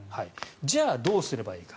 じゃあ、どうすればいいか。